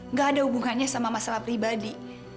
nggak ada hubungannya sama masalah pribadi